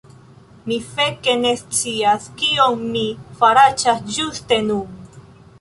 Mi feke ne scias kion mi faraĉas ĝuste nun!